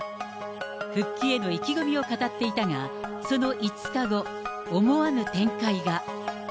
復帰への意気込みを語っていたが、その５日後、思わぬ展開が。